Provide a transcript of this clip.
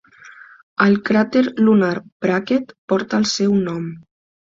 El cràter lunar Brackett porta el seu nom.